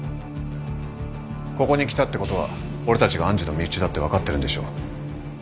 ここに来たってことは俺たちが愛珠の身内だって分かってるんでしょう？